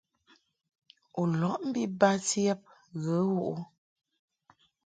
U lɔʼ mbi bati yab ghə wuʼ ɨ ?